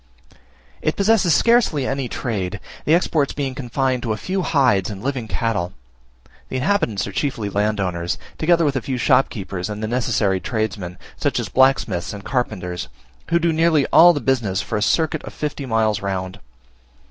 It possesses scarcely any trade; the exports being confined to a few hides and living cattle. The inhabitants are chiefly landowners, together with a few shopkeepers and the necessary tradesmen, such as blacksmiths and carpenters, who do nearly all the business for a circuit of fifty miles round.